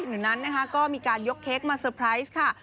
หรือนั้นก็มีการยกเค้กมาเซอร์ไพรส์ค่ะ